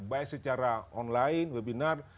baik secara online webinar